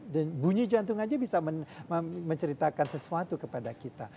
dan bunyi jantung saja bisa menceritakan sesuatu kepada kita